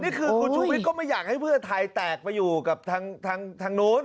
นี่คือคุณชูวิทย์ก็ไม่อยากให้เพื่อไทยแตกไปอยู่กับทางนู้น